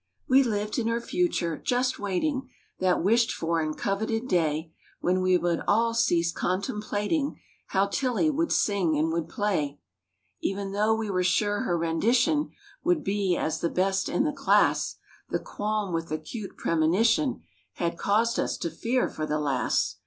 144 We lived in her future—^just waiting That wished for and coveted day When we would all cease contemplating, "How Tillie would sing and would play E'en though we were sure her rendition Would be, as the best in the class, The qualm with acute premonition Had caused us to fear for the lass.